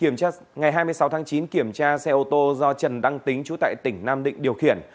ngày hai mươi sáu tháng chín kiểm tra xe ô tô do trần đăng tính chú tại tỉnh nam định điều khiển